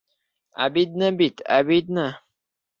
Әбидны бит, әбидны!